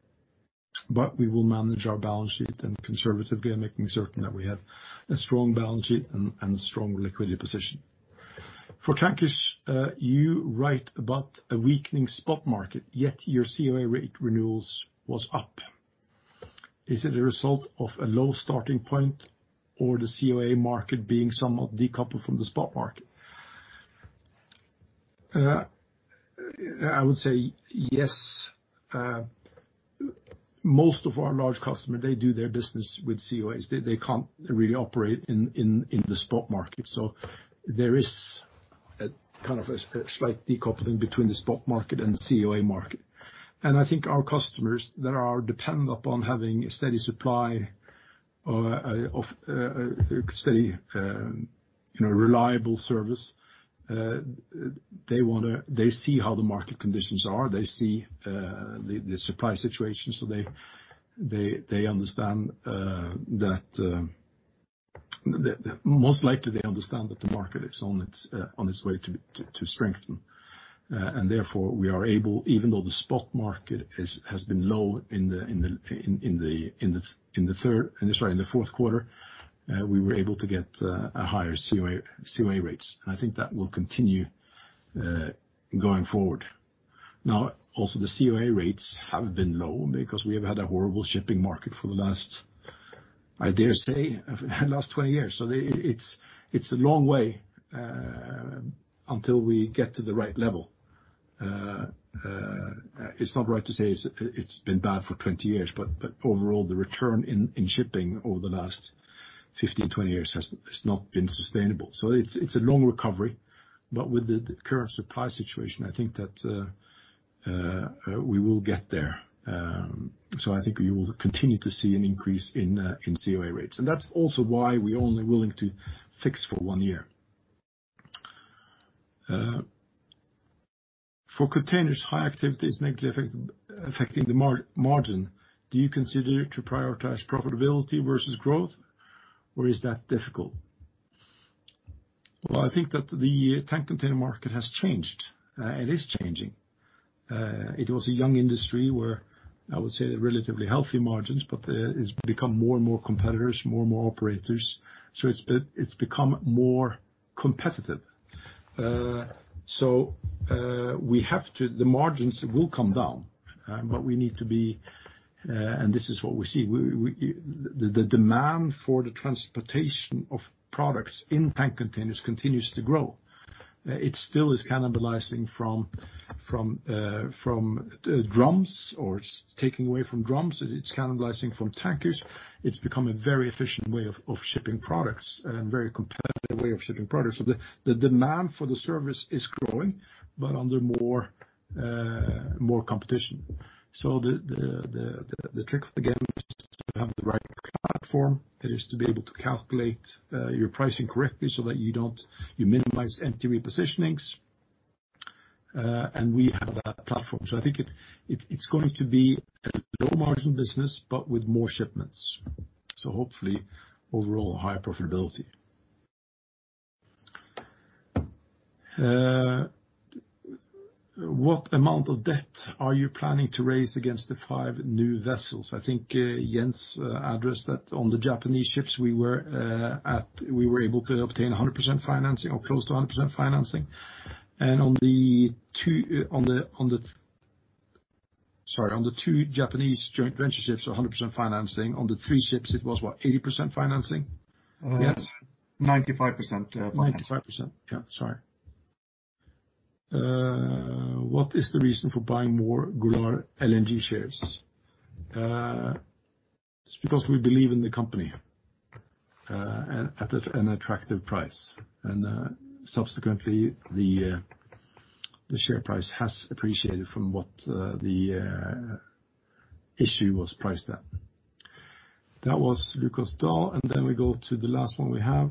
We will manage our balance sheet and conservatively, I'm making certain that we have a strong balance sheet and a strong liquidity position. For Tankers, you write about a weakening spot market, yet your COA rate renewals was up. Is it a result of a low starting point or the COA market being somewhat decoupled from the spot market? I would say yes. Most of our large customers, they do their business with COAs. They can't really operate in the spot market. There is a slight decoupling between the spot market and the COA market. I think our customers that are dependent upon having a steady supply of a steady, reliable service. They see how the market conditions are, they see the supply situation, so most likely they understand that the market is on its way to strengthen. Therefore, even though the spot market has been low in the fourth quarter, we were able to get higher COA rates, and I think that will continue going forward. Also the COA rates have been low because we have had a horrible shipping market for the last, I dare say, last 20 years. It's a long way until we get to the right level. It's not right to say it's been bad for 20 years, overall, the return in shipping over the last 15, 20 years has not been sustainable. It's a long recovery, with the current supply situation, I think that we will get there. I think we will continue to see an increase in COA rates. That's also why we're only willing to fix for one year. For containers, high activity is negatively affecting the margin. Do you consider to prioritize profitability versus growth, or is that difficult? Well, I think that the tank container market has changed. It is changing. It was a young industry where I would say the relatively healthy margins, but it's become more and more competitors, more and more operators. It's become more competitive. The margins will come down, but we need to be, and this is what we see, the demand for the transportation of products in tank containers continues to grow. It still is cannibalizing from drums, or it's taking away from drums. It's cannibalizing from tankers. It's become a very efficient way of shipping products and a very competitive way of shipping products. The demand for the service is growing, but under more competition. The trick of the game is to have the right platform. That is to be able to calculate your pricing correctly, so that you minimize empty repositionings, and we have that platform. I think it's going to be a low margin business, but with more shipments. Hopefully overall higher profitability. What amount of debt are you planning to raise against the five new vessels? I think Jens addressed that. On the Japanese ships, we were able to obtain 100% financing or close to 100% financing. Sorry, on the two Japanese joint venture ships, 100% financing. On the three ships, it was what? 80% financing? Jens? 95% financing. 95%. Yeah, sorry. What is the reason for buying more Golar LNG shares? It's because we believe in the company at an attractive price, and subsequently, the share price has appreciated from what the issue was priced at. That was Lukas Daul, and then we go to the last one we have.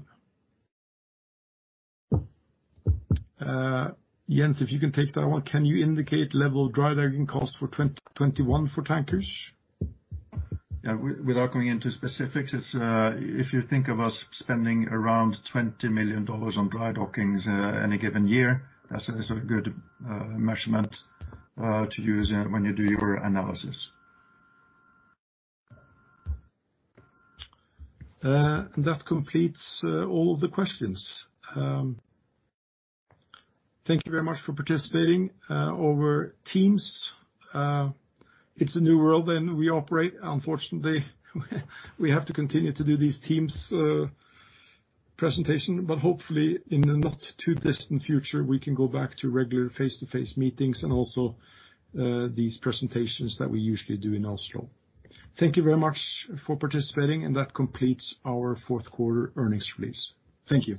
Jens, if you can take that one. Can you indicate level dry docking cost for 2021 for tankers? Yeah. Without going into specifics, if you think of us spending around $20 million on dry dockings any given year, that's a good measurement to use when you do your analysis. That completes all of the questions. Thank you very much for participating over Teams. It's a new world and we operate. Unfortunately, we have to continue to do these Teams presentation, but hopefully in the not too distant future, we can go back to regular face-to-face meetings and also these presentations that we usually do in Oslo. Thank you very much for participating, and that completes our fourth quarter earnings release. Thank you.